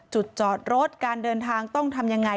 จุดจอดรถการเดินทางต้องทำยังไง